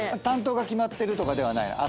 担当が決まってるとかではない？